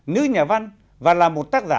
nữ nhà văn và là một tác giả